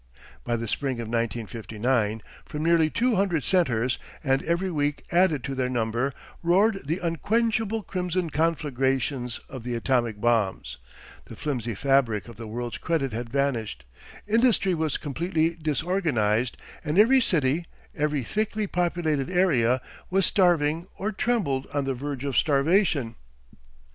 By the spring of 1959 from nearly two hundred centres, and every week added to their number, roared the unquenchable crimson conflagrations of the atomic bombs, the flimsy fabric of the world's credit had vanished, industry was completely disorganised and every city, every thickly populated area was starving or trembled on the verge of starvation.